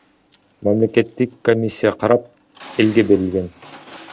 Мамлекеттик комиссия карап, элге берилген.